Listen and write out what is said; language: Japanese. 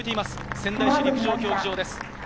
仙台市陸上競技場です。